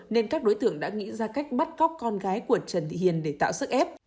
nên các đối tượng đã nghĩ ra cách bắt cóc con gái của trần thị hiền để tạo sức ép